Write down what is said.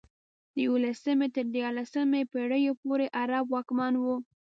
د یولسمې تر دیارلسمې پېړیو پورې عرب واکمن وو.